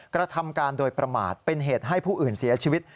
กระทำการโดยประมาทเป็นเหตุให้ผู้อื่นเสียชีวิต